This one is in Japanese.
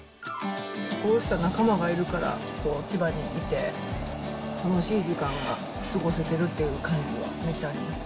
こうした仲間がいるから、千葉にいて楽しい時間が過ごせてるっていう感じはめっちゃあります。